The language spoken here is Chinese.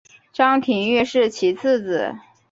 张廷玉是其次子。